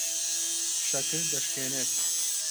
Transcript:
شەکر دەشکێنێت.